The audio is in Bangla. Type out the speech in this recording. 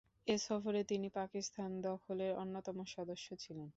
এ সফরে তিনি পাকিস্তান দলের অন্যতম সদস্য ছিলেন।